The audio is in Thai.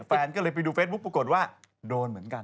แฟนก็เลยไปดูเฟซบุ๊คปรากฏว่าโดนเหมือนกัน